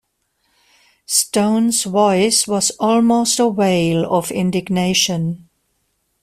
Stone's voice was almost a wail of indignation.